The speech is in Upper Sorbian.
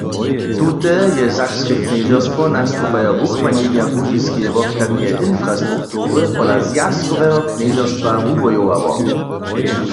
Tute je sakske knježerstwo nastupajo wukmanjenje łužiskeje wobchadneje infrastruktury pola zwjazkoweho knježerstwa wuwojowało.